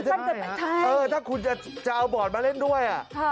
ถ้าคุณจะเอาบอร์ดมาเล่นด้วย